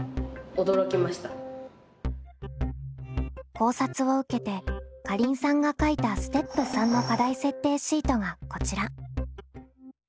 考察を受けてかりんさんが書いたステップ３の課題設定シートがこちら。